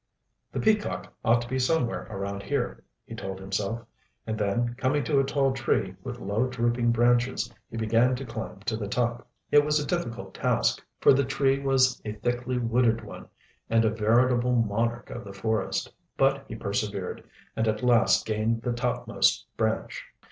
"The Peacock ought to be somewhere around here," he told himself, and then, coming to a tall tree with low, drooping branches, he began to climb to the top. It was a difficult task, for the tree was a thickly wooded one and a veritable monarch of the forest. But he persevered, and at last gained the topmost branch.